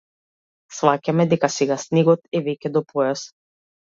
Сфаќаме дека сега снегот е веќе до појас.